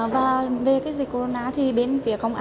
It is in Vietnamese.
và về cái dịch corona thì bên phía cộng đồng